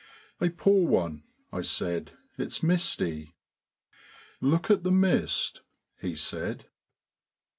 "A poor one," I said; "it's misty." "Look at the mist," he said.